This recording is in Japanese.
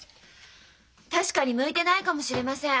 確かに向いてないかもしれません。